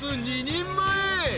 ２人前］